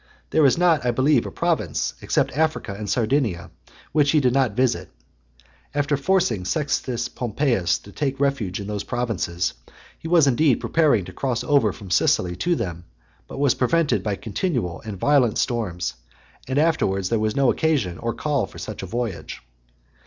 There is not, I believe, a province, except Africa and Sardinia, which he did not visit. After forcing Sextus Pompeius to take refuge in those provinces, he was indeed preparing to cross over from Sicily to them, but was prevented by continual and violent storms, and afterwards there was no occasion or call for such a voyage.